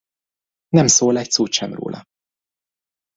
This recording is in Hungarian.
Nem szól egy szót sem róla.